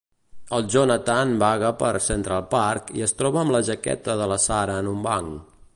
El Jonathan vaga per Central Park i es troba amb la jaqueta de la Sara en un banc.